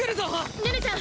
ねねちゃん